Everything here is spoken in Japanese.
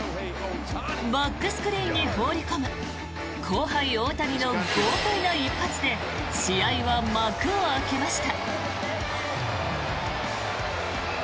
バックスクリーンに放り込む後輩・大谷の豪快な一発で試合は幕を開けました。